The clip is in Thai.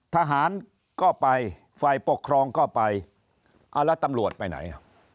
ทหารก็ไปฝ่ายปกครองก็ไปเอาแล้วตำรวจไปไหน